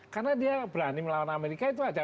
karena dia berani melawan amerika itu saja